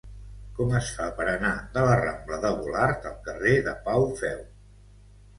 Com es fa per anar de la rambla de Volart al carrer de Pau Feu?